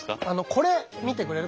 これ見てくれる？